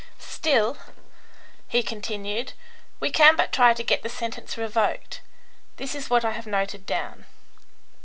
Still," he continued, "we can but try to get the sentence revoked. This is what I have noted down."